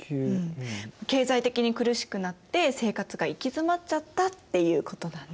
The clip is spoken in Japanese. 経済的に苦しくなって生活が行き詰まっちゃったっていうことだね。